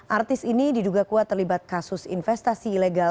artis ini diduga kuat terlibat kasus investasi ilegal